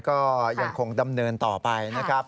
ก็ยังคงดำเนินต่อไปนะครับ